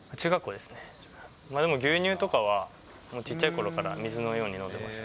でも牛乳とかは、ちっちゃいころから水のように飲んでました。